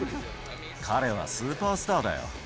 彼はスーパースターだよ。